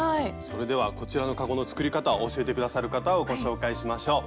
それではこちらのかごの作り方を教えて下さる方をご紹介しましょう。